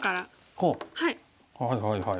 こうはいはいはい。